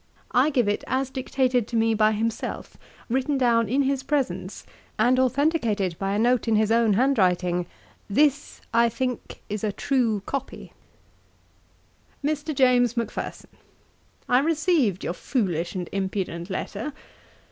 I give it as dictated to me by himself, written down in his presence, and authenticated by a note in his own hand writing, 'This, I think, is a true copy.' 'MR. JAMES MACPHERSON, 'I received your foolish and impudent letter.